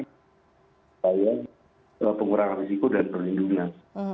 supaya pengurangan risiko dan perlindungan